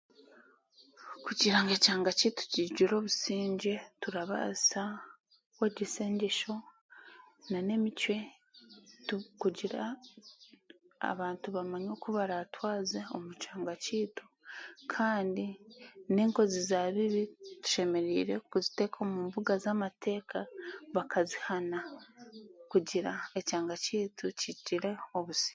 Okugira ngu ekyanga kyaitu kigire obusingye, turabaasa kwegyesa engyeso nan'emicwe, tu kugira abantu bamanye oku baraatwaze omu kyanga kyaitu kandi n'enkozi zaabyo tushemereire kuziteeka omu mbuga z'amateeka bakazihana kugira ekyanga kyaitu kigire obusingye